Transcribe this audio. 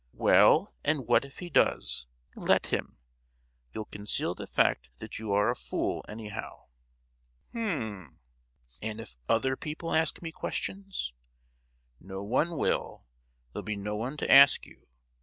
"Well, and what if he does. Let him! You'll conceal the fact that you are a fool, anyhow!" "H'm, and if other people ask me questions?" "No one will; there'll be no one to ask you.